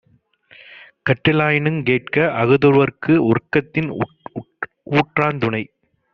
கற்றிலனாயினுங் கேட்க அஃதொருவற்கு ஒற்கத்தின் ஊற்றாந்துணை